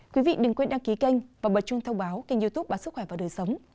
quý vị đừng quên đăng ký kênh và bật chung thông báo kênh youtube báo sức khỏe và đời sống